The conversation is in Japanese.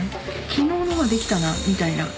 「昨日の方ができたな」みたいな。